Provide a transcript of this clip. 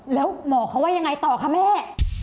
แล้วหมอเขาว่ายังไงต่อคะแม่